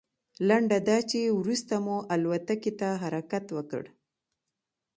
لنډه دا چې وروسته مو الوتکې ته حرکت وکړ.